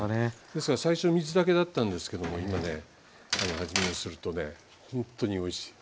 ですから最初水だけだったんですけども今ね味見をするとねほんとにおいしい。